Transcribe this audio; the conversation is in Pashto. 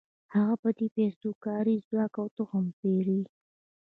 هغه په دې پیسو کاري ځواک او تخم پېري